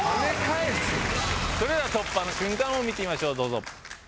それでは突破の瞬間を見てみましょうどうぞ。